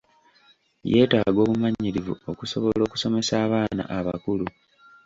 Yeetaaga obumanyirivu okusobola okusomesa abaana abakulu.